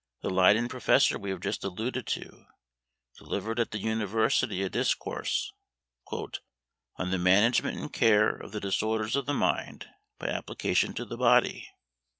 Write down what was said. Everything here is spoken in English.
The Leyden professor we have just alluded to, delivered at the university a discourse "on the management and cure of the disorders of the mind by application to the body."